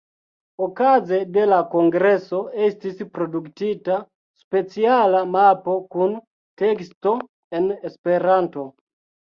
Okaze de la kongreso estis produktita speciala mapo kun teksto en Esperanto.